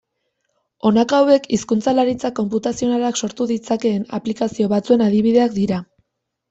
Honako hauek hizkuntzalaritza konputazionalak sortu ditzakeen aplikazio batzuen adibideak dira.